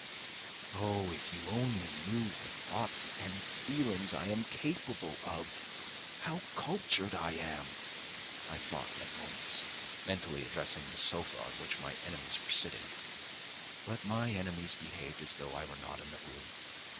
"Oh, if you only knew what thoughts and feelings I am capable of, how cultured I am!" I thought at moments, mentally addressing the sofa on which my enemies were sitting. But my enemies behaved as though I were not in the room.